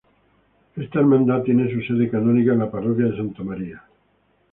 Esta hermandad tiene su sede canónica en la parroquia de Santa María Magdalena.